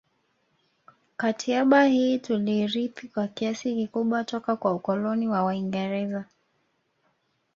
Katiaba hii tuliirithi kwa kiasi kikubwa toka kwa ukoloni wa waingereza